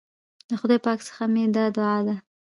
له خدای پاک څخه مي دا دعا ده